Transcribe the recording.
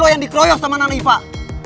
lo yang dikroyos sama nana ifah